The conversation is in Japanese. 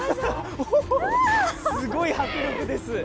すごい迫力です。